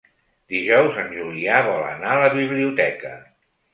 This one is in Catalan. Dijous en Julià vol anar a la biblioteca.